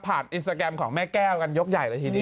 ผ่านตามห์อีสแซงกรามของแม่แก้วกันยกใหญ่เลยทีเดียว